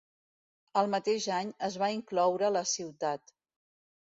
El mateix any es va incloure la ciutat.